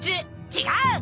違う！